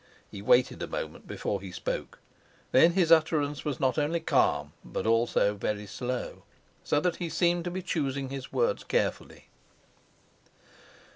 He waited a moment before he spoke; then his utterance was not only calm but also very slow, so that he seemed to be choosing his words carefully.